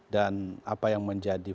dan apa yang menjadi